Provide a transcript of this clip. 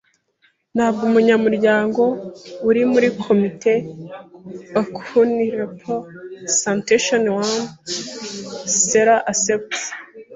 Ntabwo umunyamuryango uri muri Komite Aucune repr sentation ne sera accept e